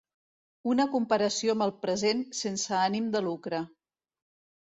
Una comparació amb el present, sense ànim de lucre.